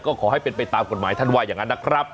ก็ขอให้เป็นไปตามกฎหมายท่านว่าอย่างนั้นนะครับ